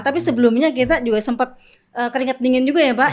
tapi sebelumnya kita juga sempat keringat dingin juga ya pak